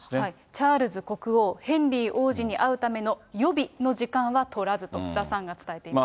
チャールズ国王、ヘンリー王子に会うための予備の時間は取らずと、ザ・サンが伝えています。